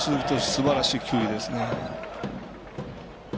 すばらしい球威ですね。